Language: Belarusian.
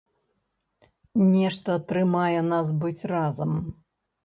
Нешта трымае нас быць разам.